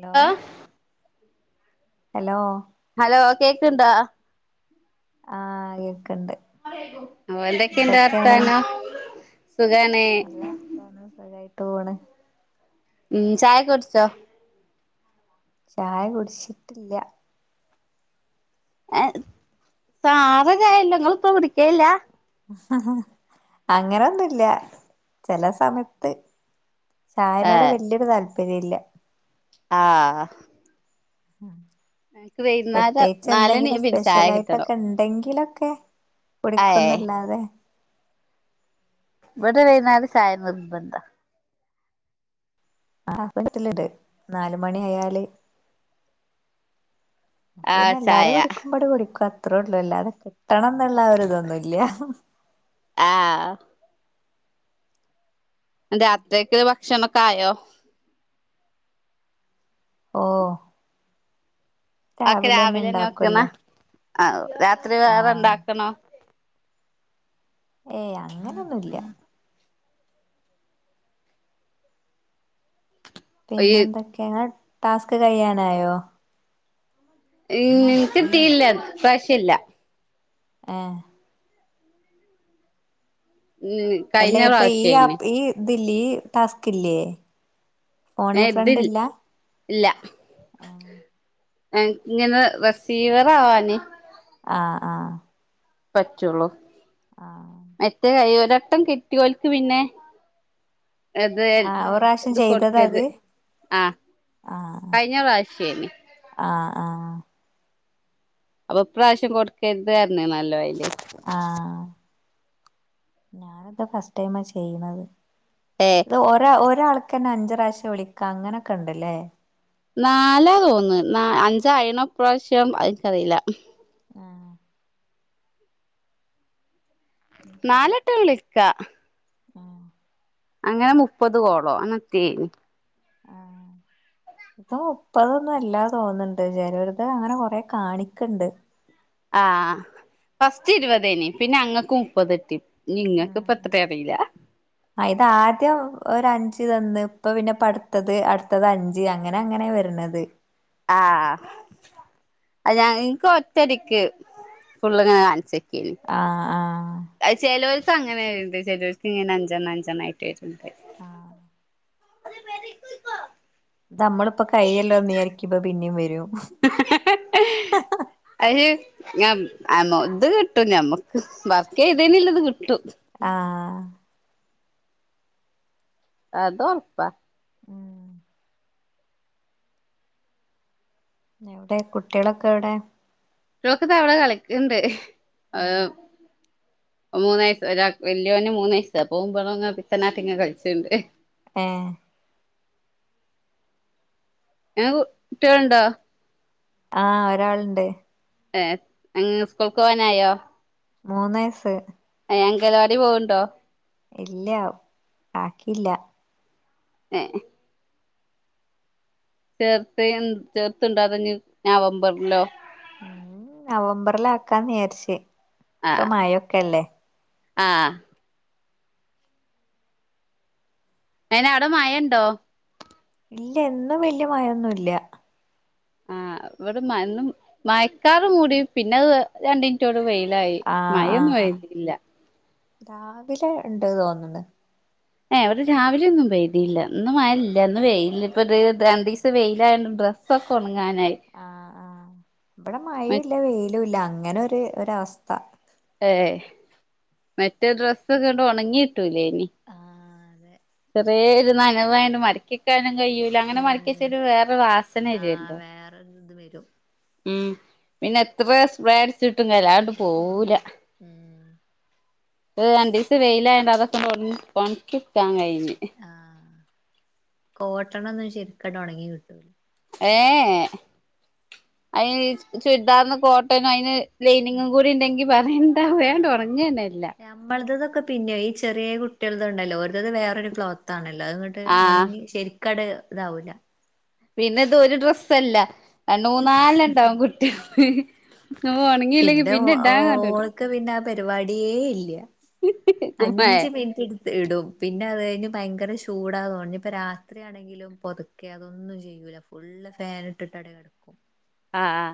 Hello ആ hello hello കേക്കന്താ ആഹ യ ഓ എന്തൊക്കെയ എന്റെ എന്തൊക്കെയാണ് അർത്ഥനോ നല്ല വരത്താനാണ് ട്ടണ് ഉം ചായ കുടിച്ചോ ചായ കുടിച്ചിട്ടില്ല സാറ കയല്ലങ്ങൾ ഇപ്പ പിടിക്കല്ല അങ്ങനൊന്നുമല്ല ചില സമയത്ത് ചായനോട് വലിയൊരു താല് പരിയില്ല ആഹ അഹ് ഉം പ്രത്യേകിച്ച് നാലണി എന്തെങ്കിലും പിന്നെ ചായ സ്പെഷ്യൽ കിട്ടണം ആായിട്ടൊക്കെ ഉണ്ടെങ്കിലൊ ഓക്കെ ഏ കുടിക്കുന്നല്ലാ അതെ ഇവിടെ വൈകുനേരം ചായ നിർബന്ധ ആ ആസബത്തിൽിണ്ട് നാല മണി ആയാല് അപ്പ ആ പിന്നെ ചായ എല്ലാരും കുടിക്കുമ്പോടെ കുടിക്കും റോഡ എല്ലാതൊക്കെ തണെന്നള്ള ഒരുര ഇതൊന്നുമല്ല ആഹ് അ അത്രക്ക ക്ഷമക്കായോ ഓ ഒക്കെ രാവിലെന്നെ വെക്കുന്ന ഇണ്ടാക്കുവല്ലോ ആ രാത്രി വേറെ ആഹ് ഇണ്ടാക്കണോ ഏയ് അങ്ങനൊന്നുംല്ല ഈ പിന്നെ എന്തൊക്കെയങ്ങ ടാസ്ക് കഴ്യാനായോ ഉം ഉം കിട്ടിയില്ല ഈ പ്രാവിശ്യം ഇല്ല ഏ ഉം കഴിഞ്ഞ അല്ലേ ഇപ്പൊ ഈ ആ പ്രാവശ്യേനി ഈ ദില്ലി ഇ ടാസ്കില്ലേ ഇതില് ഇല്ല എ ഇങ്ങനെ റെസീവറാവാന് ആ ആ പറ്റൊ ഒള്ളു മറ്റെ കയ്യ് ഓ രട്ടം കിട്ടിയോൽക്ക് പിന്നെ അതെ ആഹ് ഒരു പ്രാവശ്യം ഇത് ചെയ്തതാ അത് കൊട്ക്കെര്ത് ആ ആഹ് കഴിഞ്ഞ പ്രാവ്ശെയിനി ആഹ് ആഹ് അപ്പം ഇപ്രാവശ്യം കൊട്ക്കെര്ത് പർൺണ അല്ലോ അയിൽ ആ ഞൻ ഇത് ഫസ്റ്റ് ടൈമാ ചെയ്യ്ണെത് ഏഹ് ഇത് ഒരാ ഒരാൾ ഇക്കെന്നെ അഞ്ച് പ്രാവ്ശ്യം വിളിക്കാന്ന് അങ്ങനെ ഒക്കെ ഇണ്ട് ലെ നാലാ തോന്ന് നാ അഞ്ചാ ആയിണോ ഇപ്രാവ്ശ്യം അയ് ഇച്ച് അറീലാ ആ ശരി നാല് വട്ടം വിളി ക്കാ ആഹ് അങ്ങനെ മുപ്പത് കോളോ അങ്ങനെത്തെയെനി ആ ഇപ്പ മുപ്പതൊന്നും അല്ലാ തോന്ന്ണ്ട് ചെലോര്ത് അങ്ങനെ കൊറെ കാണിക്ക്ണ്ട് ആ ഫസ്റ്റ് ഇരുവതെയിനി പിന്നെ അങ്ങക്ക് മുപ്പത്ട്ടി ആ അ ഇത് ആദ്യം ഒര് അൻ ഞ്ച് തന്ന് ഇപ്പ പിന്നെ ഇപ്പ അട്ത്തെത് അഞ്ച് അങ്ങനെ അങ്ങനെ വെര്ണെത് ആ അത് ഞാൻ ഇന്ക് ഒറ്റടിക്ക് ഫുള്ള്ങ്ങനെ കാണിച്ച ക്കേ നി ആ ആ അത് ചെലൊരു- ക്ക് അങ്ങനെ വര്ണ്ട് ചേലോർക്ക് ഇങ്ങനെ അഞ്ചണ്ണം അഞ്ചണ്ണംആയിട്ട് വര്ണ് ണ്ട് ആ [inaudible] നമ്മളിപ്പോ കഴിയല്ലോന്ന് വിചാരിക്കുമ്പോ പിന്നേവരും അയ്ന് ഞാം അമൗ ത്കിട്ടും ഞമ്മക്ക് വർക്ക് ചെയ്തേന് യുള്ളത് കിട്ടും ആ അതോ ഉറപ്പാ ഉം എവിടെ കുട്ടികളൊക്കെ എവിടെ കുട്ടികളൊക്കെ ദാ ഇവിടെ കളിക്ക്ണ്ട് ഉം. [unintelligible] മൂന്ന വയസ്‌ ഒരാക്ക് വല്യോന് മൂന്ന് വയസ്സ് അപ്പോ പടങ്ങനെ [unintelligible] പിത്തനാട്ടി ങ്ങനെ കളിച്ച്ണ്ട് ഏ [unintelligible] കുട്ടികൾണ്ടോ ആ ഒരാള്ണ്ട് ഏ [unintelligible] സ്കൂൾക്ക് പോകാനായോ മൂന്നയസ്സ് അങ്കലവാടി പോവ്ണ്ടോ ഇല്ല ആക്കില്ല ഏ ചേർത്ത് ചേർത്ത് ണ്ടോ അതൊ ഞ്ഞ് നവംബർ ലോ ഉം നവംബറില ആക്കാന്ന് വിചാരിച്ചേ ഇപ്പ മഴക്കെല്ലേ ആ അയിന്അവിടെ മഴണ്ടോ ഇല്ല എന്നും വല്യ മഴൊന്നുംല്ല ആഇവിടെ മ ഇന്ന് മയക്കാറ് മൂടി പിന്നത് രണ്ടിൻറ്റോണ്ട് വെയിലായി ആ ആ മഴൊന്നും പെയ്തില്ല രാവിലെ ണ്ട് തോന്ന്ണ് ഏ ഇവിടെ രാവിലെന്നും പെയ്തില്ല ഇന്ന് മഴ ല്ല ഇന്ന് വെയ്ല് പ്പംത് രണ്ടീസം വെയിലായോണ്ട്ഡ്രസ്സ് ഒക്കെ ഒണങ്ങാനായി ആഹ് ആഹ് ഇവിടെ മഴയും ല്ല വെയിലും ല്ല അങ്ങനൊര് ഒരവസ്ഥ ഏ മറ്റേ ഡ്രസ്സൊക്കെണ്ട് ഉണങ്ങിട്ടൂലേ നി ആഹ് അതെ ചെറിയൊരു നനവായോണ്ട് മടക്കിക്കാ കയൂല അങ്ങനെ ഉം മടക്കി െച്ചരു വേറെ രു വാസന രുല്ലോ ത് വരും ഉം പിന്നെ എത്ര സ്പ്രെ ചിട്ടും കാര്യല്ല ആണ്ട് പോവൂല ഉം പ്പ രണ്ടീസംവെയിലായോണ്ട്അതൊക്കെ ഒന്നങ്ങിഒണക്കിക്കാൻ കഴിഞ്ഞ് കോട്ട നൊന്നും ശരിക്കാട്ട്ഉണങ്ങി കിട്ടൂല ഏഹേ അയന് ചുരിദാർന് കോട്ടന് അയ്ന് ഉം ലൈനിങ്ങും കൂടി ഉണ്ടെങ്കി പറയണ്ടവേണ്ട് ഉണങ്ങന്നെല്ല ക്കെ പിന്നെ ഈ ചെറിയ കുട്ടി ൾത് ണ്ടല്ലോ ഓൽദദ് വേറൊരു ക്ലോത്താണ് എല്ലാങ്ങട്ട് ആ ഉണങ്ങി ശരിക്കാണ്ട് ഇതാവുല പിന്നെ ഇത് ഒര് ഡ്രസ്സല്ല രണ്ട് മൂന്നാലണ്ണം ണ്ടാവും കുട്ടോൾത് ഓ ഒണങ്ങിയില്ലെങ്കി ഇന്റെ പിന്നെ ഇടാ ങ്ങട്ട് ഓൾക്ക് പിന്നെ ആ പരിപാടിയേ ഇല്ല കുമ്മേ അഞ്ച് മിനിറ്റ് ട്ത്ത് ഇടും പിന്നെ പിന്നെ അത് കഴിഞ്ഞ് ഭയങ്കര ചൂടാ തോന്ന ഇപ്പ രാത്രിയാണെങ്കിലും പൊതുക്കെ അതൊന്നും ചെയ്യൂല ഫുള്ള് ഫാൻ ഇട്ടിട്ട് അട് കിടക്കും അ ആ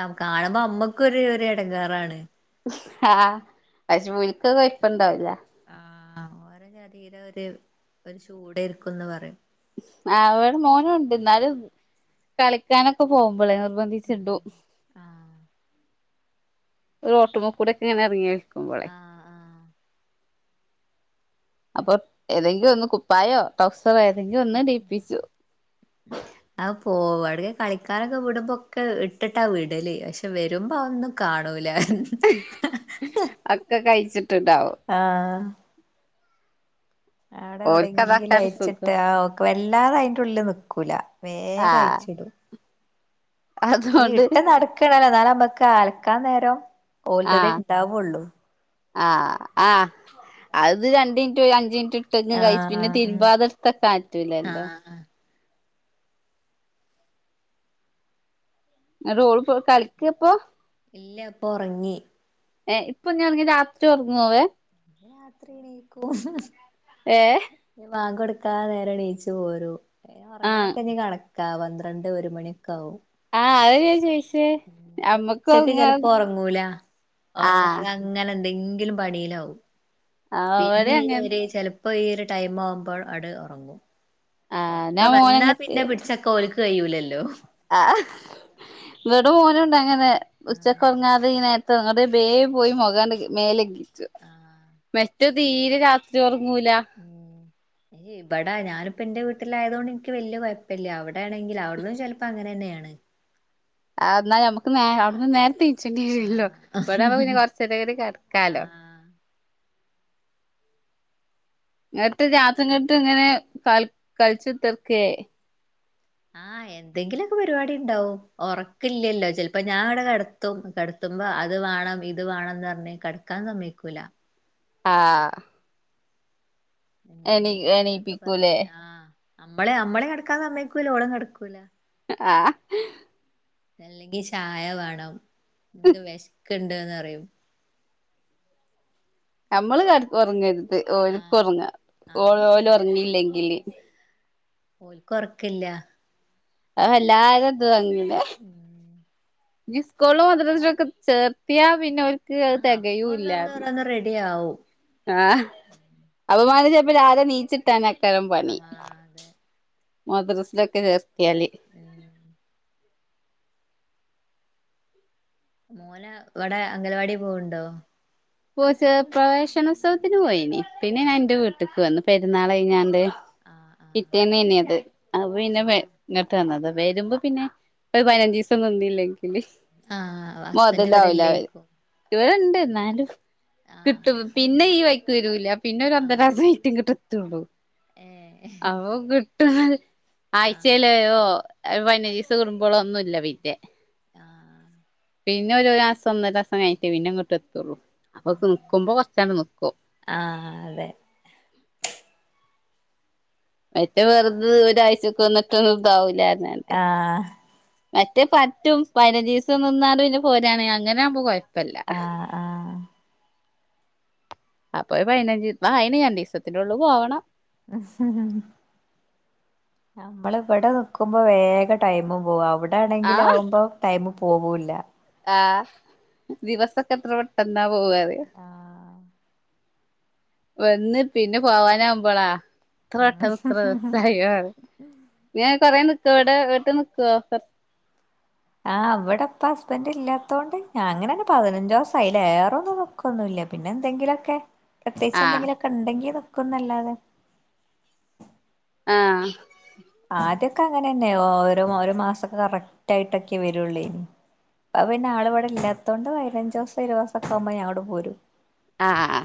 ആ കാണുമ്പോ നമ്മക്കും ഒരു ഇടങ്ങേറാണ് ആ പക്ഷേ ഓൽക്ക് അത് കൊഴപ്പംണ്ടാവൂല ആ ഓരോ ജാതിയില് ഒരു ഒരു ചൂടേര്ക്കുംന്ന് പറയും ആ ഇവടെ മോനുണ്ട് ന്നാലും കളിക്കാനൊക്കെ പോകുമ്പളേ നിർബന്ധിച്ചിടും ആഹ് റോഡ് മ കൂടെ ക്കെ ഇങ്ങനെ ഇറങ്ങി ക്കുമ്പോളെ ആഹ് ആഹ് അപ്പൊ ഏതെങ്കിലും ഒന്ന് കുപ്പായോ ടൗ സ് റൊ ഏതെങ്കി ഒന്ന്ടീ പ്പിച്ചു വര് കളിക്കാനൊക്കെ വിടുമ്പോക്കെ ഇട്ടിട്ടാ വിടല് പക്ഷെ വരുമ്പോ അ ഒന്നും കാണൂല ഒക്കെ കഴിച്ച് ആഹ് അവിടെ എവിടെങ്കിലും ഓൽക്കതക്കാണ് അയിച്ചിട്ട് സുഖം ആ ഓക്ക് വല്ലാതെ അയിന്റെ ഉള്ളില് നിക്കൂല വേഗം ആഹ് അയ്ച്ചിടും ഏ അതുകൊണ്ട് ഇട്ട് നടക്ക്ണ ന്നാ ലമ്മക്ക് ക്കാൽക്കാ നേരം ഓൽത തെ ണ്ടാവുള്ളൂ ആആ അത് രണ്ടിൻറ്റു അഞ്ചിൻ റ്റു ഇട്ടങ്ങ്കഴിച്ച് പിന്നെ ആഹ് ഉം തിരുമ്പാതെ ഇട്ത്തക്കാ പറ്റൂലല്ലോ ആഹ് ങ്ങട്ട് ഓള് കളിക്കാപ്പൊ ഇല്ലപ്പൊറങ്ങി ഏ ഇപ്പൊ ഞ്ഞ് ഉറങ്ങിയാ രാത്രി ഉറങ്ങോ അവൻ ഏഹ് വാങ്കൊട് ക്കാ നേരം എണീച്ചു പോരും ആഹ് ഉറങ്ങലൊക്കെ ഇനി കണ ക്കാ പന്ത്രണ്ട് ഒരു മണിയൊക്കെ ആവും ആ അത് ഞാൻ ചോയിച്ച് അത് ഉച്ചക്ക് ചെലപ്പോ ഉറങ്ങൂല ആഹ് ഉറങ്ങാതെ അങ്ങനെ എന്തെങ്കിലും പണിയിലാവും ആ അവര് അങ്ങനെ പ്പൊ ഈ ഒരു ടൈം ആവുമ്പോൾ അട് ഒറങ്ങും ആഹ് ഒറക്കെ ന്നാ വന്നാ പിന്നെ പിടിച്ചക്കാൻ ഓൽക്ക് കയ്യൂലല്ലോ ആ ഇവിടെ മോനുണ്ട് അങ്ങനെ ആഹ് ഉച്ചക്ക് ഉറങ്ങാതെ ഈ നേരത്തെ ഇന്നിട്ട് ബേ പോയി മുഖാണ്ട് മേലെകി ആഹ് [unintelligible] റ്റ തീരെ രാത്രി ഉറക്കം ങ്ങൂല ഏയ്‌ ഇവിടാ ഞാനിപ്പോ എന്റെ വീട്ടിലായത് കൊണ്ട് എനിക്ക് വലിയ കുഴപ്പല്ല അവിടെ ആണെങ്കിൽ അവിടന്നും ചിലപ്പോ അങ്ങനെ തന്നെയാണ് എന്നാൽ നമുക്ക് നേ അവിടുന്ന് നേരത്തെ [inaudible] ല്ലോ ഇവിടആവുമ്പോ പിന്നെ ആഹ് കൊറച്ചേരേം കൂടി കിടക്കാലോ എനിട്ട് രാത്രി ഇങ്ങട്ട് ഇങ്ങനെ ക കളിച്ചു തീർക്കേ ആ എന്തെങ്കിലുമൊക്കെ പരിപാടി ഉണ്ടാവും ഉറക്കല്ലല്ലോ ചിലപ്പോ ഞാൻ ഇവിടെ കിടത്തും കിടത്തുമ്പോ അത് വേണം ഇത് വേണംന്ന് പറഞ്ഞ് കിടക്കാൻ സമ്മയിക്കൂല ആ എന്തെങ്കിലൊക്കെ എണീപ്പിക്കൂലേ പറഞ്ഞ് ആ നമ്മളെ നമ്മളെ കിടക്കാൻ സമ്മയക്കൂല്ല ഓളും കിടക്കൂല്ല ആ അല്ലെങ്കിൽ ചായ വേണം എനിക്ക് വെഷ് ക്കണ്ട്ന്ന് പറയും നമ്മള് കെടന്ന് ഉറങ്ങരുത് ഓൽക്ക് ആഹ് ഉറങ്ങ ഓ ആഹ് ഓല് ഉറങ്ങിയില്ലെങ്കില് ഉ ഓൽക്ക് ഉറക്കല്ല്യ അ അല്ലാ അതു അങനെ [inaudible] ഞ്ഞ് ഉസ്കോളൊ മദ്രസത്തിലൊക്കെ ചേർത്തിയാ പിന്നെ ഓൽക്ക് ആ അത് അപ്പൊന്ന്ന്ന്ന്ന് റെഡി ആവും ആ അപമാനിച്ച ഇഞ്പ്പോ രാവിലെ നീച്ച് കിട്ടാനാ ക്കരാം പണി ആഹ് അതെ മദ്രസലക്കെ ചേർത്തി ചേർത്തിയാൽ ഉം മോനെഇവടെ അംഗലവാടി പോവണ്ടോ പോ ചെ പ്രവേശനോത്സവത്തിന് പോയിനി പിന്നെ ഞാൻ ആഹ് എൻന്റെ വീട്ടേക്ക് വന്നു പെരുന്നാൾ കഴിഞ്ഞാണ്ട് ആഹ് ആഹ് പിറ്റേന്നെനി അത് അപ്പോ പിന്നെ വരുമ്പോ പിന്നെ ഒരു പതിനഞ്ച് ദിവസം നിന്നില്ലെങ്കിൽ ആഹ ആഹ ഹസ്ബൻറ് ഇവിടെ ഇല്ലേക്കും ഇവിടുണ്ട് ഇന്നാലും കിട്ടും പിന്നെ ആഹ് ഈ വൈക്ക് വരൂല പിന്നെ ഒരു ആഹ് ഒന്നരാസം കഴിഞ്ഞിട്ടേ കി [unintelligible] ഏഹ് അ [unintelligible] [unintelligible] ആഹ് ആഴ്ച്ചയിലോ ഒരു പതിനഞ്ചു ദിവസം കടുുമ്പോള ഒന്നുമില്ല പിന്നെ ആഹ് പിന്നെ ഒരു മാസം ഒന്നരാസം കഴിഞ്ഞിട്ടേ പിന്നെ ഇങ്ങോട്ട് എത്തുള്ളൂ അപ്പൊക്ക നിക്കുമ്പോ കൊറച്ചെങ്ങാട്ട് നിക്കും ആഹ് അതെ മറ്റേ വെറുത് ഒരാഴ്ചക്കെ വന്നിട്ടൊന്നും ഇതാവില്ല ആഹ് മറ്റേ പറ്റുംപതിനഞ്ചു ദിവസം നിന്നാലും പിന്നെ പോരാണ് അങ്ങനെ ആവുമ്പോ കോയ പ്പല്ല ആഹ് ആഹ് അപ്പൊ പതിനഞ്ച് അയിന് രണ്ട് ദിവസത്തിന്റെ ഉള്ളിൽ പോവണം [unintelligible] നമ്മൾ ഇവിടെ നിക്കുമ്പോ വേഗം ടൈമും പോവാ അവിടെ ആ ആണെങ്കിലാവുമ്പോ ടൈം പോവൂല്ല ആ ദിവസൊക്കെ എത്ര പെട്ടെന്നാ പോവാറിയോ ആഹ് വന്ന് പിന്നെ പോവാനാവുമ്പോളാ എത്ര പെട്ടന്നാ ഇത്രദിവസയിന്നോ ഞാൻ കൊറേ എവിടെ വീട്ട് നിക്കുവാ ആ അവിടെപ്പം ഹസ്ബന്റ് ഇല്ലാത്തോണ്ട് ഞാ അങ്ങനന്നെ പതിനഞ്ചോസം അയില്ലേറൊന്നും നിക്കൊന്നുമില്ല പിന്നെ എന്തെങ്കിലൊക്കെ പ്രത്യേച്ച് ആ എന്തെങ്കിലൊക്കെ ഉണ്ടെങ്കിൽ ക്കുംന്നല്ലാതെ ആ ആദ്യൊക്കെ അങ്ങനെ തന്നെയ ഓരോ ഒരു മാസൊക്കെ കറക്റ്റയിട്ടൊക്കെ വരുള്ളൂ ഇനി അപ്പ പിന്നെ ആള ഇവിടെ ഇല്ലാത്തൊണ്ട് പതിനഞ്ചു ദിവസം ഇരുപത് ദിവസക്കെ ആവുമ്പോ ഞാങ്ങട് പോരും ആ അആ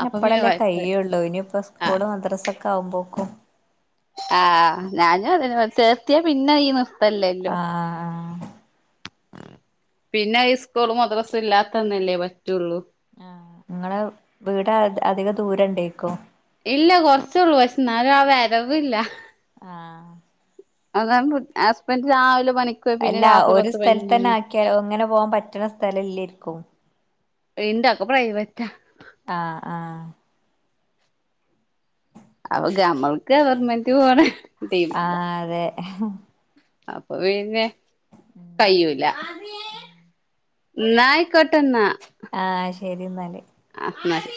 ന്നെ അപ്പളല്ലേ കഴിയ്യുള്ളൂ ഇനി പ്പ സ്കൂള് മദ്രാസ ഒക്കെ ആവുമ്പോ ക്കൊ ആ ഞാനും അത് ന്ന ചേർത്തിയ പിന്നെ ഈ നി ആ ആ പിന്നെ ഹൈ സ്കൂള് മദ്രസ ഇല്ലാത്തന്നല്ലേ പറ്റുള്ളൂ ആ നിങ്ങള് വീട് അധി അധിക ദൂര ഉണ്ടേക്കോ ഇല്ല കൊറച്ചുള്ളൂ പക്ഷെ എന്നാലും ആ വരവില്ല ആ അതാണ് കു ഹസ്ബന്റ് രാവില അല്ല ഒരു സ്ഥലത്തന്നെ ആക്കിയാ അങ്ങനെ പോകൻ പറ്റണ സ്ഥലല്ല്യാ രിക്കും ന്റക്കെ പ്രൈവറ്റാ ആ ആ അവക്ക് അമ്മൾക്ക് ഗവർമെന്റ് പോണ ടീം ആ ഇതാ അതെ അപ്പൊ പിന്നെ കയ്യൂല ന്നായിക്കോട്ടെന്നാ ആ ശരി എന്നാല് അ ന്നാ ശെ